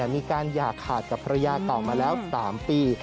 มีการอย่าขาดกับภรรยาเก่ามาแล้ว๓ปี